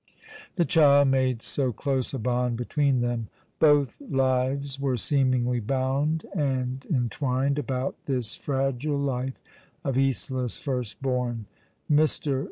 The child made so close a bond between them. Both lives were seemingly bound and entwined about this fragile life of Isola's first born. Mr.